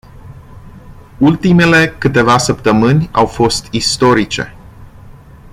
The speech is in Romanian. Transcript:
Ultimele câteva săptămâni au fost istorice.